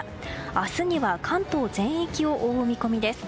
明日には関東全域を覆う見込みです。